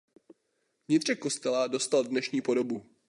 Vnitřek kostela dostal dnešní podobu.